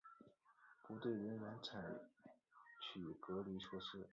不对人员采取隔离措施